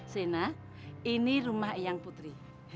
sienna ini rumah eyang putri